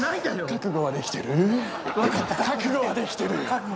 覚悟はできてる。